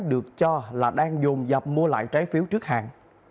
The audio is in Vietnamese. được cho là đang dồn dập mua lại trái phiếu trước hạn